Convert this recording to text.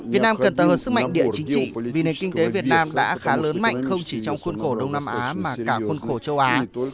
việt nam cần tạo hợp sức mạnh địa chính trị vì nền kinh tế việt nam đã khá lớn mạnh không chỉ trong khuôn khổ đông nam á mà cả khuôn khổ châu á